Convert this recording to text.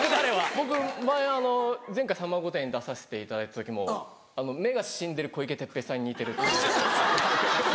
僕前回『さんま御殿‼』出させていただいた時も目が死んでる小池徹平さんに似てるって。